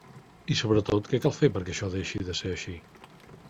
I sobretot, ¿què cal fer perquè això deixe de ser així?